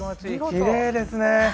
きれいですね。